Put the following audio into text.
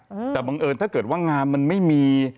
อืมแต่บังเอิญถ้าเกิดว่างามมันไม่มี